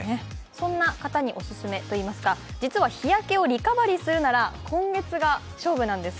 そんな方にオススメといいますか実は日焼けをリカバリーするには今月が勝負なんです。